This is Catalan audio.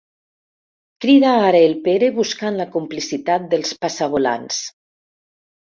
Crida ara el Pere buscant la complicitat dels passavolants.